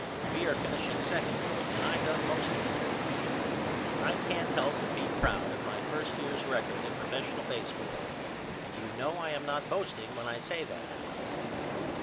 We are finishing second and I done most of it. I can't help but be proud of my first year's record in professional baseball and you know I am not boasting when I say that Al.